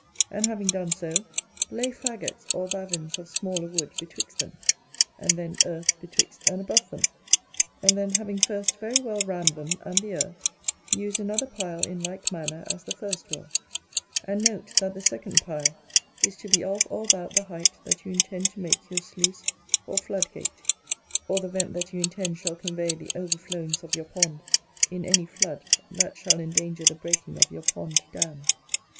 And having done so, lay faggots or bavins of smaller wood betwixt them: and then, earth betwixt and above them: and then, having first very well rammed them and the earth, use another pile in like manner as the first were: and note, that the second pile is to be of or about the height that you intend to make your sluice or floodgate, or the vent that you intend shall convey the overflowings of your pond in any flood that shall endanger the breaking of your pond dam.